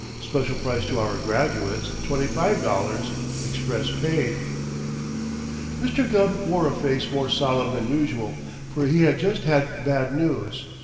Special price to our graduates, $25.00, express paid." Mr. Gubb wore a face more solemn than usual, for he had just had bad news.